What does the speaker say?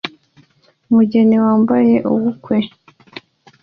Umugeni wambaye ubukwe